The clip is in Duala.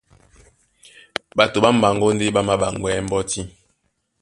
Ɓato ɓá mbaŋgó ndé ɓá māɓaŋgwɛɛ́ mbɔ́tí.